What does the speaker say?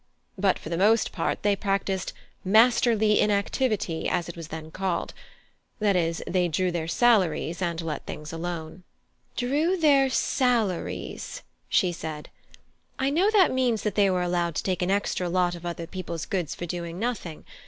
But for the most part they practised 'masterly inactivity,' as it was then called that is, they drew their salaries, and let things alone." "Drew their salaries," she said. "I know that means that they were allowed to take an extra lot of other people's goods for doing nothing.